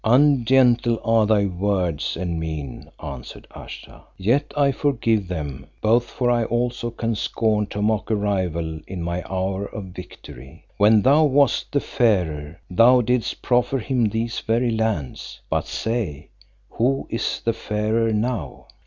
"Ungentle are thy words and mien," answered Ayesha, "yet I forgive them both, for I also can scorn to mock a rival in my hour of victory. When thou wast the fairer, thou didst proffer him these very lands, but say, who is the fairer now?